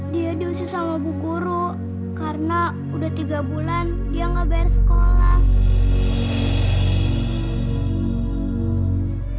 dia diusus sama buku ru karena udah tiga bulan dia nggak bayar sekolah